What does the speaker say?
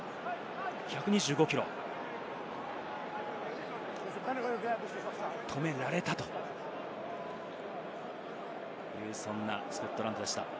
１２５ｋｇに止められたという、そんなスコットランドでした。